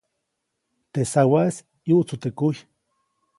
Teʼ sawaʼis ʼyuʼtsu teʼ kujy.